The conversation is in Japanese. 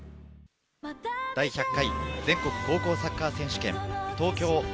第１００回全国高校サッカー選手権、東京Ａ